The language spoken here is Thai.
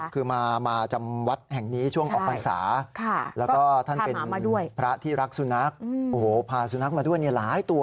คือมาจำวัดแห่งนี้ช่วงออกพรรษาแล้วก็ท่านเป็นพระที่รักสุนัขพาสุนัขมาด้วยหลายตัว